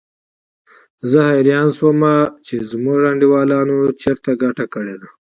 زه حیران شوم چې زموږ انډیوالانو چېرته ګټه کړې ده.